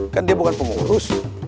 kan dia bukan pengurus